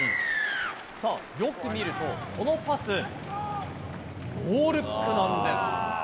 よく見ると、このパス、ノールックなんです。